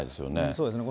そうですね。